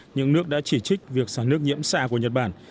những nước đã chỉ trích việc xả nước nhiễm xạ của nhật bản